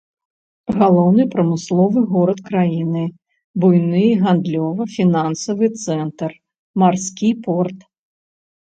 Галоўны прамысловы горад краіны, буйны гандлёва-фінансавы цэнтр, марскі порт.